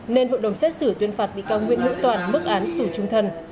nên hội đồng xét xử tuyên phạt bị cao nguyễn hữu toàn mức án tử trung thân